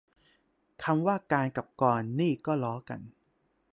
คำว่า "การ" กับ "กร" นี่ก็ล้อกัน